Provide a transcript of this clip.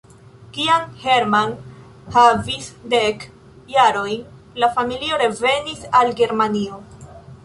Kiam Hermann havis dek jarojn, la familio revenis al Germanio.